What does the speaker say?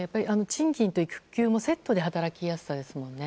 賃金と育休のセットでの働きやすさですよね。